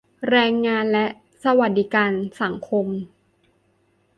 แรงงานและสวัสดิการสังคม